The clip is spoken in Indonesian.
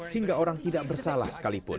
hingga orang tidak bersalah sekalipun